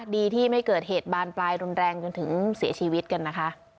ดีที่ไม่เกิดเหตุบานปลายรุนแรงจนถึงเสียชีวิตกันนะคะ